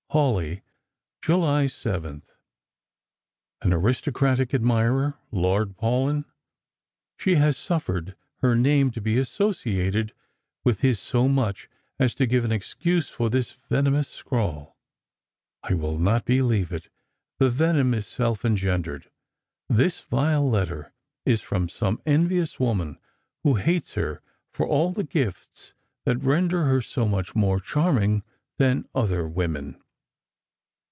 "Hawleigh, July 7th." " An aristocratic admirer — Lord Paulyn ! She has suffered her name to be associated with his so much as to give an excuse for this venomous scrawl ! I will not believe it. The venom is self engendered. This vile letter is from some envious woman who hates her for all the gifts that render her so much more charming than other women."